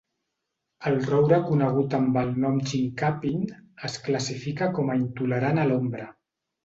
El roure conegut amb el nom Chinkapin es classifica com a intolerant a l'ombra.